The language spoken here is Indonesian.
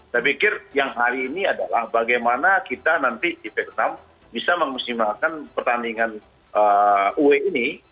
saya pikir yang hari ini adalah bagaimana kita nanti di vietnam bisa mengusimalkan pertandingan ue ini